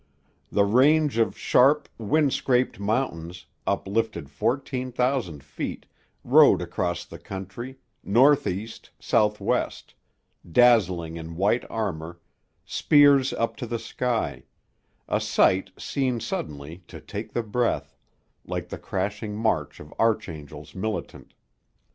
The range of sharp, wind scraped mountains, uplifted fourteen thousand feet, rode across the country, northeast, southwest, dazzling in white armor, spears up to the sky, a sight, seen suddenly, to take the breath, like the crashing march of archangels militant.